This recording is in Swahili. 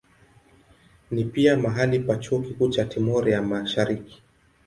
Ni pia mahali pa chuo kikuu cha Timor ya Mashariki.